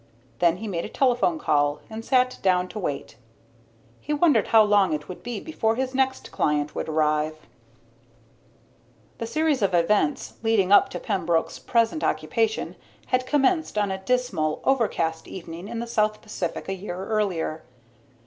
Then he made a telephone call and sat down to wait. He wondered how long it would be before his next client would arrive. The series of events leading up to Pembroke's present occupation had commenced on a dismal, overcast evening in the South Pacific a year earlier.